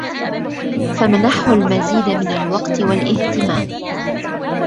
فامنحه المزيد من الوقت والاهتمام.